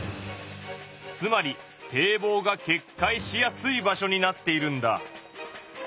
つまり堤防がけっかいしやすい場所になっているんだ。